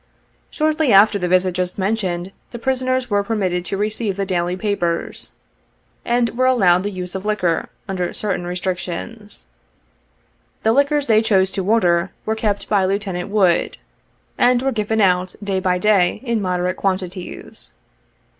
Shortly after the visit just mentioned, the prisoners were permitted to receive the daily papers, and were allowed the use of liquor, under certain restrictions. The liquors they chose to order, were kept by Lieut. Wood, and were given 28 out, day by day, in moderate quantities.